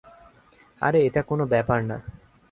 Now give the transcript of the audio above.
আরে, এটা কোন ব্যাপার না।